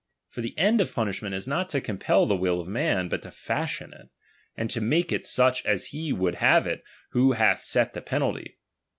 For the end of punishment is not to compel the will of man, but to fashion it, and to make it such as he would have it who hath set the penalty.